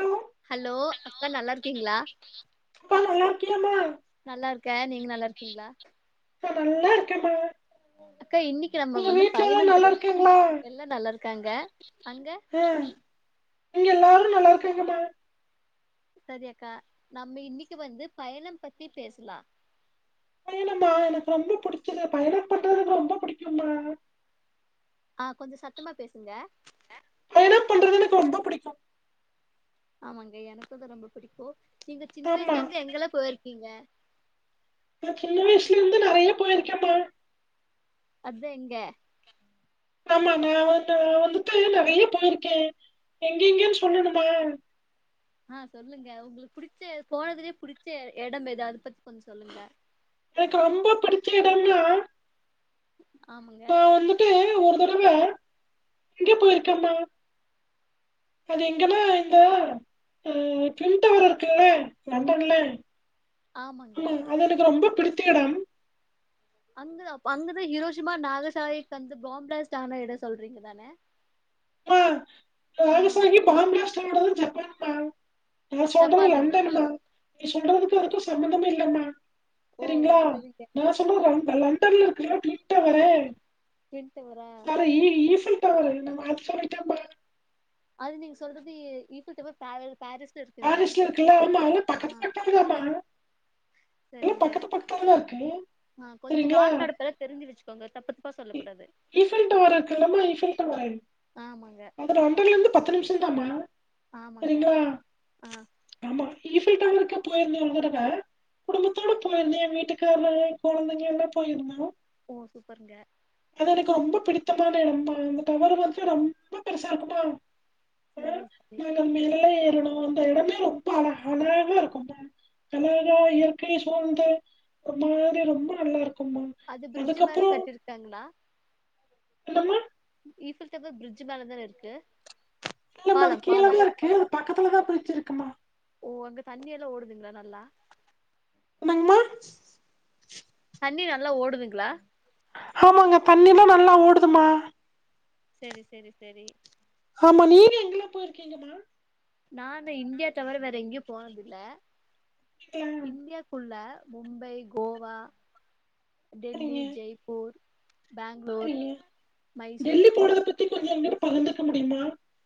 Hello hello அக்கா நல்லா இருக்கீங்களா அப்பா நல்லா இருக்கியாம்மா நல்லார்க்கே நீங்க நல்லா இருக்கீங்களா நா நல்லா இருக்கேம்மா அக்கா இன்னிக்கு நம்ம உங்க வந்து வீட்ல எல்லா பயணம் நல்லா பத்தி இருக்காங்களா எல்லா நல்லா இருக்காங்க அங்க ஆ இங்க எல்லாரு நல்லா இருக்காங்கமா சரி அக்கா நம்ம இன்னிக்கு வந்து பயணம் பத்தி பேசலா ஏனம்மா எனக் ரொம்ப புடிச்சிது பயணம் பண்றதுக்கு ரொம்ப புடிக்கும்மா ஆ கொஞ்சோ சத்தமா பேசுங்க பயணம் பண்றது எனக் ரொம்ப புடிக்கு ஆமாங்க எனக்கு தா ரொம்ப புடிக்கோ நீங்க சின்ன ஆமா வயசுல இருந்து எங்கெல்லா போயிருக்கீங்க நா சின்ன வய்சுல இருந்து நெறைய போயிருக்கேம்மா அதா எங்க ஆமா நா வ ந வந்துட்டு நெறைய போயிருக்கே எங்கங்கேனு சொல்லணுமா ஹ சொல்லுங்க உங்ளுக்கு புடிச்ச போனதுலே புடிச்ச இடம் எது அது பத்தி கொஞ்சோ சொல்லுங்க எனக் ரெம்ப புடிச்ச இடம் நா ஆமாங்க நா வந்து இங்க போயிருக்கம்மா அது எங்கன்னா இந்த அ கின்டவர் இருக்குல லண்டன்ல ஆமங்க ஆமா அது எனக்கு ரொம்ப பிடித்த எடம் அங்கதா அங்கதா ஹிரோஷிமா நாகசாய்க்கு வந்து பாம்ப்ளாஸ்ட் ஆனா எடம் சொல்றீங்க தான அ நாகசாகிப் பாம்பிளாஸ்ட்டு ஆன எடோ ஜப்பான் தான நா சொல்றது ஜப்பானுங்களா லண்டன்னுமா நீ சொல்றதுக்கோ அதுக்கு சம்பந்தமே இல்லம்மா ஓ சரிங்ளா சரிங்க நா சொல்றது லன் லண்டன்ல இருக்குற கின்டவர டின் டவரா சரி இரு இருஃபீல்டவரு நம்ம [unintelligible] அது நீங்க சொல்றது ஈஃபீல் டவர் பாரி பாரிஸ் பாரிஸ்ல இருக்குல்ல ஆமாங்க பக்கத்து பக்கத்து தான்மா அதுவு சரிங்க எனக்கு ஆ கொஞ்சம் நாட் நடப்பெல்லா தெரிஞ்சு வச்சுக்கோங்க தப்பு தப்பா சொல்ல கூடாது ஈஃபல் டவர் இருக்குல்லம்மா ஈஃபீல் டவர் ஆமங்க லண்டன்லேருந்து பத்து நிம்ஷோ தான்ம்மா ஆமங்க ஆ ஆமா ஈஃபீல் டவருக்கு போயிருந்த ஒரு தடவ குடும்பத்தோடு போய்ர்ந்த என் வீட்டுக்காருலா கொழந்தைங்கள்லா போய்ந்த ஓ சூப்பருங்க அது எனக்கு ரொம்ப பிடித்தமான எடமா அந்த டவர் வந்துட்டு ரொம்ப பெருசா இருக்குமா அ சரி சரி நாங்க மேல ஏறணும் அந்த எடமே ரொம்ப அழ அழகா இருக்குமா அழகா இயற்கை சூழ்ந்த ஒரு மாதிரி ரொம்ப நல்லா இருக்குமா அது பிரிட்ஜ்ஜி மேல கட்டிருக்காங்ளா என்னம்மா ஈஃபீல் டவர் பிரிட்ஜ்ஜி மேல தான இருக்கு இல்லமா அது பாலம் கீழதா பாலம் இருக்கு அது பக்கத்துலதா பிரிட்ஜ் இருக்குமா ஓ அங்க தண்ணி எல்லா ஓடுதுங்ளா நல்லா என்னங்மா தண்ணி நல்லா ஓடுதுங்ளா ஆமாங்க தண்ணில்லா நல்லா ஓடுதுமா செரி செரி செரி ஆமா நீங்க எங்கெல்லா போயிருக்கீங்கம்மா நானு இந்தியா தவிர வேற எங்கயும் போனதில்ல நீங்களா இந்தியா க்குள்ள மும்பை கோவா டெல்லி ஜெய்ப்பூர் செரி பேங்களூர் மைசூர் டெல்லி போனத பத்தி கொஞ்சம் எங்கிட்ட பகிந்துக்க முடியுமா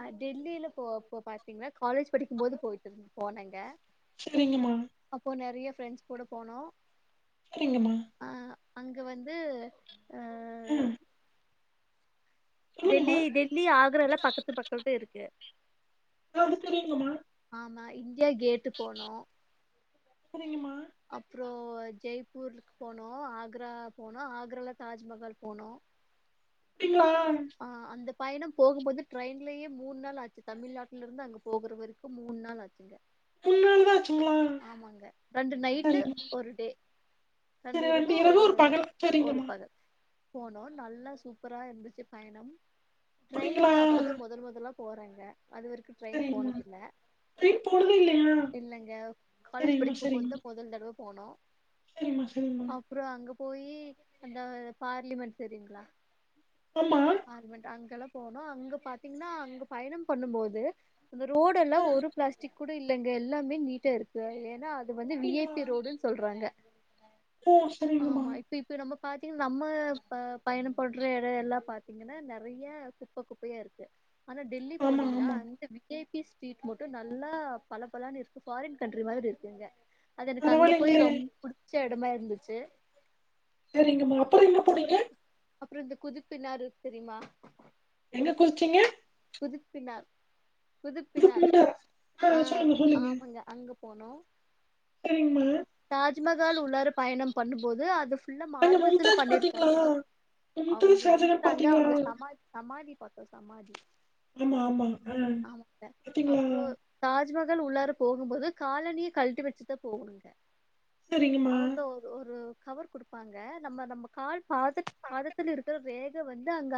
அ டெல்லில போ போய் பாத்தீங்ன்னா காலேஜ் படிக்கும்போது போயிட்டு இரு போனங்க செரிங்க மா அப்போ நெறைய ஃப்ரெண்ட்ஸ் கூட போனோம் சரிங்கம்மா அ அங்க வந்து ஆ ம் டெல்லி டெல்லி ஆக்ரா எல்லா பக்கத்து பக்கத்து தா இருக்கு அது தெரியுங்கம்மா ஆமா இந்தியா கேட்டு போனோ புரியலம்மா அப்றோம் ஜெய்ப்பூருக்கு போனோ ஆக்ரா போனோ ஆக்ரால தாஜ்மஹால் போனோ இங்லா அந்த பயணம் போம்போது ட்ரெயின்லேயே மூணு நாள் ஆச்சு தமிழ்நாட்ல இருந்து அங்க போகிறவரைக்கும் மூணு நாள் ஆச்சு இங்க உன்னால்தா ஆச்சுங்ளா ரெண்டு நைட்டு ஒரு டே சரி ரெண்டு ரெண்டிரவு இரவு ஒரு பகல் ஒரு சரிங்கம்மா பகல் போனோ நல்லா சூப்பரா இருந்துச்சு பயணம் அப்டிங்களா ட்ரெயின்ல அப்பதா மொதல் மொதலா போறேங்க அதுவரைக்கு ட்ரெயின் சரிங்கம்மா போனதில்ல ட்ரெயின் போனதே இல்லையா இல்லங்க காலேஜ் சரிங்கம்மா படிக் மொதல் தடவ போனோ உம்ம் அப்றோ அங்க போயி அந்த பார்லிமெண்ட் தெரியுங்ளா எம்மா பார்லிமண்ட் அங்கலா போனோ அங்க பாத்தீங்னா அங்க பயணோ பண்ணும் போது அந்த ரோடெல்லா ஆ ஒரு பிளாஸ்டிக் கூட இல்லங்க எல்லாமே நீட்டாருக்கு ஏன்னா அது வந்து வி ஐ அப்டிங்களா பி ரோடுன்னு சொல்றாங்க ஓ [unintelligible] சரிங்கம்மா ஆமா [unintelligible] இப்ப இப்ப நம்ம பாத்தீங் நம்ம பயணோ பண்ற எடோ எல்லா பா த்தீங்கன்னா நெறைய குப்பை குப்பையாருக்கு ஆனா டெல்லி ஆமா போனீங்ன்னா ஆமா அந்த வி ஐ பி ஸ்ரிட் மட்டு நல்லா பள பளன்னு இருக்கு ஃபாரின் கண்ட்ரி மாதிரி இருக்குங்க அது எனக்கு அங்க போய் பரவாயில்லைங்களே ரொம்ப புடிச்ச எடமா இருந்துச்சு சரிங்கம்மா அப்றோ எங்க போனீங்க அப்றோ இந்த குதிப்புனாரு தெரியுமா எங்க குளிச்சீங்க குதுப்பினார் குதுப்பினார் புதுக்கோட்டை ஆ சொல்லுங்க சொல்லுங்க ஆமாங்க அங்க போனோ சரிங்கம்மா அப்றோ தாஜ்மஹால் உள்ளாறு பயணோ பண்ணும்போது அது ஃபுள்ளா அங்க மார்பிள்ஸ்ல மும்தாஜ் பாத்தீங்களா பண்ணிருக்காங்க மும்தாஜ் அங்கருந்து ஷாஜகான் வந்து பாத்தீங்களா அவுங்க சமா சமாதி பாத்தோ சமாதி ஆமா ஆமா ஆ ஆமாங்க பாத்தீங்களா அப்றோ தாஜ்மஹால் உள்ளார போகும்போது காலனி கழட்டி வச்சுதா போகணுங்க சரிங்கம்மா அவுங்க ஒரு ஒரு கவர் குடுப்பாங்க நம்ம நம்ம கால் பாத பாதத்துல இருக்குற வேக வந்து அங்க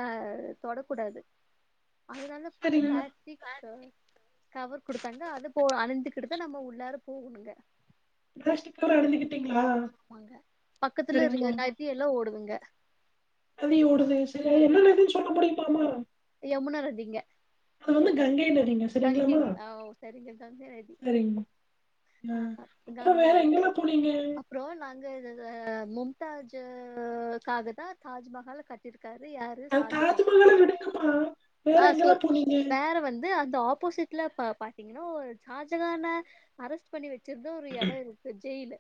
தொடக்கூடாது அதனால சரிங்கம்மா பிளாஸ்டிக் கவர் கவர் குடுத்தாங்க அது போ அணிந்துக்கிடுத்தா நம்ம உள்ளார போகணுங்க பெஸ்ட் கட [unintelligible] ஆமாங்க பக்கத்துல ஒரு சரிங்கம்மா நதியெல்லா ஓடுதுங்க நதி ஆ ஓடுது சரி நதி ஓடுது. என்னநதின்னு சொல்ல முடியுமாமா யமுனா நதிங்க கங்கை நதிங்க தங்கீர் அ ஓ சரிங்க கங்கை உம் அ ஆ அப்றோ வேற எங்கெல்லா போனீங்க அப்றோ நாங்க மும்தாஜுக்காக தா தாஜ்மஹால கட் டிருக்காரு யாரு சாஜகான் உம் ஆ சொல் வேற வந்து அந்த ஆப்போசிட்ல பா பாத்தீங்கன்னா ஜாஜகான அரெஸ்ட் பண்ணி வச்சிருந்த ஒரு எட இருக்கு ஜெயிலு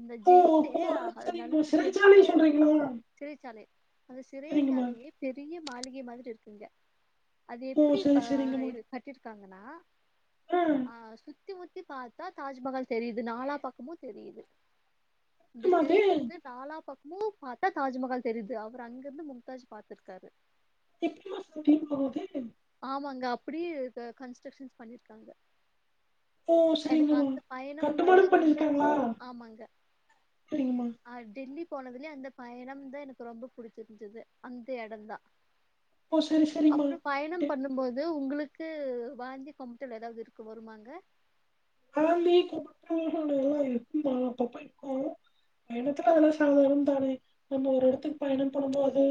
இந்த ஓ ஜெயிலு கோ- அது நல் சரிங்கம்மா சிறைச்சாலை பெரிய சொல்றீங்களா சிறைச்சாலை அந்த சரிங்கம்மா சிறைச்சாலையே பெரிய மாளிகை மாதிரி இருக்குங்க அது ஓ எப்படி சரி ப கட்டிருக்காங்கன்னா ம் ஆ சுத்தி முத்தி பாத்தா தாஜ்மஹால் தெரியுது நாலா பக்கமு தெரியுது இந்த எப்படிம்மா அது சிறை திறந்து தாலா பக்கமு பாத்தா தாஜ்மஹால் தெரியுது அவர் அங்கிருந்து முக்தாஜ் பாத்திருக்காரு [unintelligible] கூட்டிட்டு போகுது ஆமாங்க அப்படி க கன்ஸ்ட்ரக்ஷன்ஸ் பண்ணிருக்காங்க ஓ எனக்கு சரிங்கம்மா அந்த பயணம் வந்து கட்டுமானம் ரொம்ப பண்ணியிருக்காங்களா ஆமாங்க சரிங்கம்மா ஆ டெல்லி போனதுலே அந்த பயணம்தா எனக்கு ரொம்ப புடிச்சிருஞ்சுது அந்த எடோதா ஓ சரி சரிம்மா அப்பறோ பயணம் டே, பண்ணும் போது உங்களுக்கு வாந்தி கொம்ப்த்தல் ஏதாவது இருக்கு வருமாங்க வாந்தி கொமட்டகள் எல்லா இருக்கும்மா [unintelligible] இருக்கோ வேனத்து நல்ல சாதாரண தானி நம்ம ஒரு எடத்துக்கு பயணோ பண்ணும்போது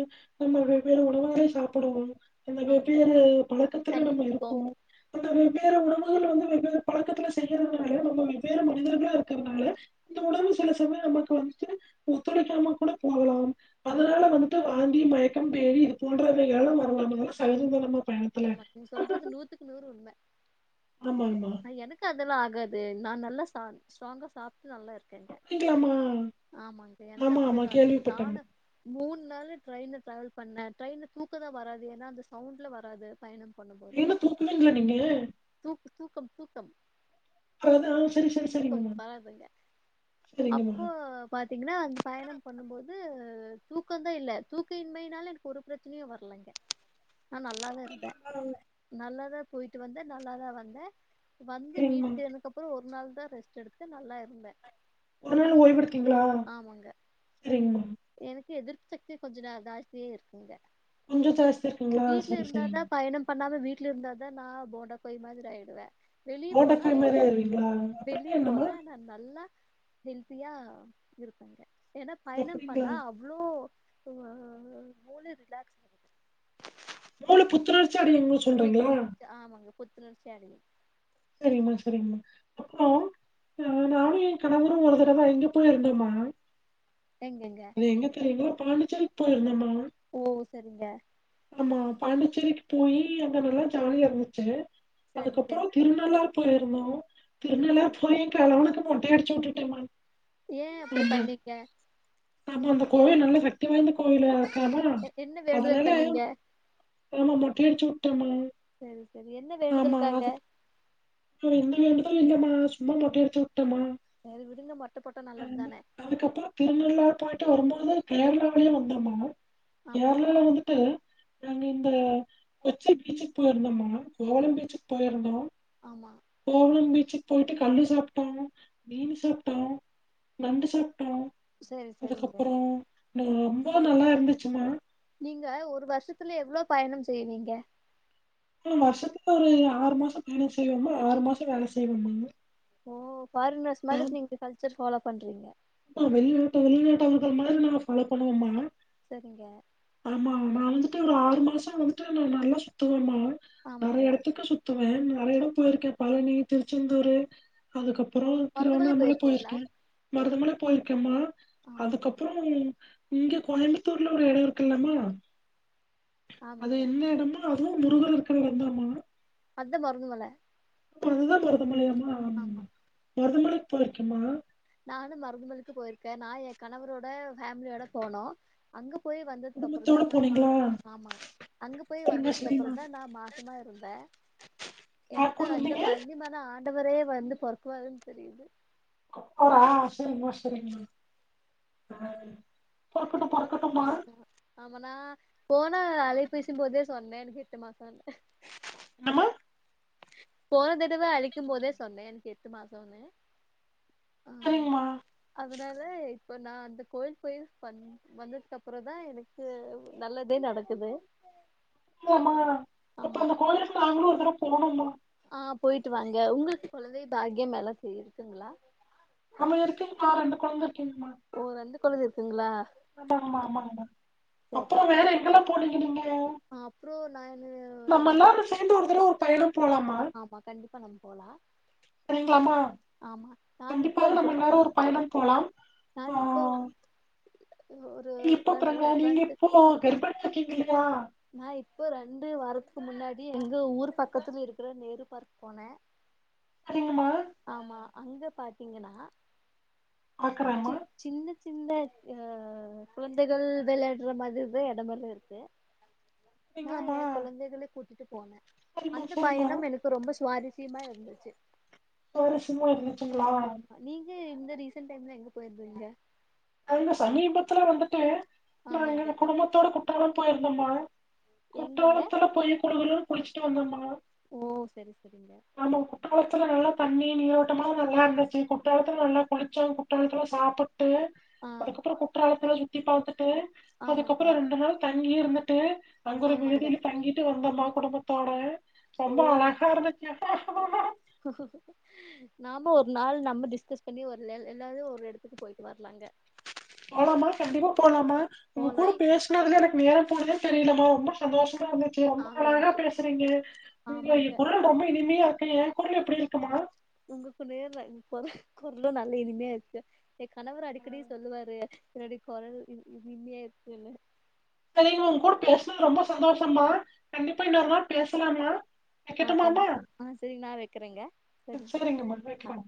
நம்ம வெவ்வேறு உணவுகள சாப்பிடுவோ இந்த ஆமா. வெவ்வேறு பழக்கத்துல தண்ணி நம்ம இருக்கோ குடிப்போம். அந்த வெவ்வேறு உணவுகள் வந்து வெவ்வேறு பழக்கத்துல செய்யறனால நம்ம வெவ்வேறு மனிதர்களா இருக்கிறதுனால இந்த உல சில சமயம் நமக்கு வந்துட்டு ஒத்துழைக்காம கூட போகலாம் ஆமா, அதனால வந்துட்டு வாந்தி மயக்க பேதி இது போன்றவைகள்ல்லா வரலாம் சகஜம் தானம்மா ஆமா நீங்க சொல்றது நூத்துக்கு நூறு உண்ம ஆமாங்மா எனக்கு அதெல்லா ஆகாது நான் நல்லா ஸ்ட்ராங்கா சாப் நல்லாருக்கேங்க அப்படிங்களாமா ஆமாங்க எனக்கு ஆமா ஆமா அப்படில்லாக்குறத நானு கேள்விப்பட்டேம்மா மூணு நாள் ட்ரெயின ட்ராவல் பண்ணே ட்ரெயின்ல தூக்க தா வராது ஏன்னா அந்த சவுண்ட்ல வராது பயணம் பண்ணும்போது என்ன தூக்குவீங்களா நீங்க தூக் தூக்கம் தூக்கம் அதான் சரி சரி தூக்கம் சரிங்கம்மா வராதுங்க சரிங்கம்மா அப்போ பாத்தீங்கன்னா அந்த பயணம் பண்ணும்போது தூக்கந்தா இல்ல தூக்க இன்மையினால எனக்கு ஒரு பிரச்சனையு வரலைங்க நா நல்லாதா இருந்தே ஆ நல்லாதா போயிட்டு வந்த நல்லாதா வந்தே வந்து சரிங்க மேம் வீட்டுக்கு சேந்ததுக்கு அப்பற ஒரு நாள் தான் ரெஸ்ட் எடுத்து நல்லாயிருந்தே ஒரு நாள் ஓய்வெடுத்தீங்ளா சரிங்மா எனக்கு எதிர்ப்பு சக்தி கொஞ்ச ந ஜாஸ்தியா இருக்குங்க கொஞ்ச ஜாஸ்தி இருக்குங்களா வீட்ல சரி இருந்தாதா சரிங்க பயணம் பண்ணாம வீட்ல இருந்தா தா நா போண்டா கோழி மாதிரி ஆயிடுவே வெளிய போனா ஓட்டக்காய் நா மாரி ஆயிருவீங்களா அப்படின்னா வெளிய என்னம்மா போனா நா நல்லா ஹெல்த்தியா இருப்பேங்க ஏன்னா பயணம் அப்படிங்களா பண்ணா அவ்ளோ ஆ மூளை ரிலாக்ஸ் ஆகுது மூள புத்துணர்ச்சி அடையும்னு சொ புத்து [inaudible] ஆமாங்க புத்துணர்ச்சி அடையு சரிங்மா சரிங்மா அப்பறோ நானு என் கணவரு ஒரு தடவ எங்க போய் இருந்தோம்மா எங்கங்க அது எங்க தெரியுங்களோ பாண்டிச்சேரிக்கு போயிருந்தேம்மா ஓ சரிங்க ஆமா பாண்டிச்சேரிக்கு போயி அங்க நல்லா ஜாலியா இருந்துச்சு சரிங்க அதுக்கபபறோ திருநள்ளார் போயிருந்தோ சூப்பர் திருநள்ளார்ப் போயி கெளவனுக்கு மொட்டையடிச்சு வுட்டுட்டேமான் ஏ அப்டி பண்ணிங்க பாமா அந்த கோயில் நல்ல சக்தி வாய்ந்த கோயில அக்காம எ- என்ன அதலால வேண்டுதல் பண்ணீங்க பாமா மொட்டையடிச்சி வுட்டேம்மா சரி சரி என்ன வேண்டுதல்காக அட எந்த வேண்டுதலு இல்லம்மா சும்மா மொட்டை எடுத்து வுட்டேம்மா சேரி விடுங்க மொட்ட போட்டா நல்லத்தானே அதுக்கப்ப திருநள்ளார் போயிட்டு வரும்பொழுது கேரளாவிலியு வந்தம்மா ஆமாங்க கேரளாவுல வந்துட் டு நாங்க இந்த கொச்சி பீச்சிக் போயிருந்தோம்மா கோவளம் பீச்சிக் போயிருந்தோ ஆமா கோவளம் பீச்சுக் போயிட்டு கல்லு சாப்டோ மீனு சாப்டோ நண்டு சாப்டோ சரி சரிங்க அதுக்கப்பறோ ந ரொம்ப நல்லா இருந்துச்சுமா நீங்க ஒரு வருஷத்துல எவ்ளோ பயணம் செய்வீங்க நம் வருஷத்துல ஒரு ஆறு மாசம் பயணோ செய்வம்மா ஆறு மாசோ வேல செய்வம்மா ஓ ஃபாரீனர்ஸ் மாதிரி நீங்க கல்ச்சர் ஃபாலோ பண்றீங்க மா வெளிநாட்டு வெளிநாட்டவர்கள் மாரி நா ஃபாலோ பண்ணுவோம்மா சரிங்க ஆமா நா வந்துட்டு ஒரு ஆறு மாசோ வந்துட்டு நா நல்லா சுத்துவேம்மா ஆமாங்க நெறைய எடத்துக்கு சுத் துவே நெறைய எடோம் போயிருக்கே பழனி திருச்செந்தூரு அதுக்கப்பறோ மருதமலை திருவண்ணாமல போயிருக்கீங்களா போயிருக்கே மருதமல போயிருக்கம்மா ஆமாங்க அதுக்கப்பறோ இங்க கோயம்புத்தூர்ல ஒரு எடோ இருக்குல்லமா அது ஆமாங்க எந்த எடம்மா அதுவும் முருகர் இருக்கிற எடந்தாம்மா அத்தா மருதமல புரறதுதாம் மருதமலையாமா ஆமா மருதமலைக் போயிருக்கேமா நானும் மருதமலைக்கு போயிருக்கே நா எ கணவரோட ஃபேமிலியோட போனோ அங்கப் போயி வந்ததுக்குப்பறந்தா குடும்பத்தோட நாமா போனீங்களா ஆமா அங்கப் போய் சரிங்க சரிங்க வந்ததுக்கப்றந்தா நா மாசமா இருந்தே யார் எனக்கு கூட அந்தப் இருந்தீங்க பழ்னி ம ன ஆண்டவரே வந்து பொறக்குவாருன் தெரியிது கர்த்தரா செரிமா செரிமா நானு பொறக்கட்டு பொறக்கட்டு ஆமா ஆமா நா போனா அலைப் பேசிம் போதே சொன்னே எனக்கு எட்டு மாசோன்னு என்னமா போன தடவெ அலிக்கும் போதே சொன்னே எனக்கு எட்டு மாசோன்னு ஆ சரிங்மா அதனால இப்ப நா அந்தக் கோயில் போயி பண் வந்ததுக்கப்றந்தா எனக்கு நல்லதே நடக்குது யம்மா இப்ப ஆமா அந்த கோயிலுக்கு நாங்ளு ஒரு தரவப் போணும்மா ஆ போயிட்டு வாங்க உங்ளுக்கு கொழந்தை பாக்யம் எலாசு இருக்குங்ளா ஆமா இருக்குங்மா ரெண்டு கொழந்த இருக்கீங்மா ஓ ரெண்டு கொழந்த இருக்குங்ளா அம்மா அம்மா அம்மா மா அப்பறோ வேற எங்கலாம் போனிங்க நீங்க அப்றோ நானு [unintelligible] சேந்து ஒரு தரவே ஒரு பயணம் போலாமா ஆமா கண்டிப்பா நம்ம போலாம் சரிங்களாமா நான் கண்டிப்பா இப்ப நம்ம இப்ப எல்லாரும் ஒரு பயணம் போலாம் நான் இப்போ ஒரு நீ இப்ப ரெண்டு போறீங்கா நீங்க ரெண்டு இப்போ கர்ப்பணி இருக்கீங்கல்ல நான் இப்போ ரெண்டு வாரத்துக்கு முன்னாடி எங்க ஊர் பக்கத்துல இருக்கற நேரு பார்க் போனே சரிங்கம்மா ஆமா அங்க பாத்தீங்கன்னா ஆக்கறமா சி சின்ன சின்ன ஆ குழந்தைகள் விளையாடுற மாரிதா இடமலாம் இருக்கு நான் சரிங்களாம்மா என் கொழந்தைகள கூட்டிட்டு போனேன் சரிம்மா அந்த சரிம்மா பயணம் எனக்கு ரொம்ப சுவாரஸ்ஸியமா இருந்துச்சு சுவாரசியமா இருந்துச்சுங்களா ஆமா நீங்க இந்த ரீசென்ட் டைம்ல எங்க போயிருந்தீங்க அவுங்க சமீபத்துல வந்துட்டு நா ஆமாங்க எங்க குடும்பத்தோட குற்றாலம் போயிருந்தம்மா எங்கங்க குற்றாலத்துல போய் குலுகுலு குளிச்சிட்டு வந்தம்மா ஓ சரி சரிங்க ஆமா குற்றாலத்துல நல்ல தண்ணி நீரோட்டமா நல்லா இருந்தந்துச்சு குற்றாலத்துல நல்லா குளிச்சம் குற்றாலத்துல சாப்ப ட்டு ஆ அதுக்கப்றம் குற்றாலத்துல சுத்தி பார்த்துட்டு ஆமாங்க அதுக்கப்றம் ரெண்டு நாள் தங்கி இருந்துட்டு அங்க ஒரு ஆமாங்க வீடுதில தங்கிட்டு வந்தோம்மா குடும்பத்தோட ஓ ரொம்ப நா- அழகா இருந்துச்சு நாம ஒரு நாள் நம்ம டிஸ்கஸ் பண்ணி ஒரு எல்ல ஒரு எடத்துக்கு போயிட்டு வரலாங்க போலாமா கண்டிப்பா போலாமா உங்க கூட போலாய் பேசி இருந்தா எனக்கு நேரம் போனது தெரிலமா ரொம்ப சந்தோஷமா இருந்தது ஆ ரொம்ப அழகா எனக்கு பேசுறீங்க உங்க ஆமாங்க குரல் ரொம்ப இனிமையா இருக்கு என் குரல் எப்டி இருக்குமா உங்களுக்குன்னே கொ கொரலும் நல்ல இனிமையா இருக்கு என் கணவர் அடிக்கடி சொல்லுவாரு [unintelligible] கொரல் இனிமையா இருத்துல்ல சரிங்கமா உங்க கூட பேசுனது ரொம்ப சந்தோஷமா கண்டிப்பா இன்னொருநாள் பேசலாமா ஆ வெக்கட்டுமா கண்டிப்பா ஆ சரி நான் வைக்கிறேங்க அ சரிங்க செரிங்கம்மா ஆ வெக்கற